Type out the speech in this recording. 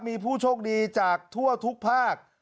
มีผู้โชคดีจากทั่วทุกภาค